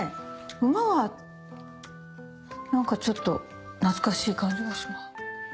午は何かちょっと懐かしい感じが。